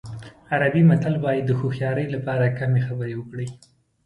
عربي متل وایي د هوښیارۍ لپاره کمې خبرې وکړئ.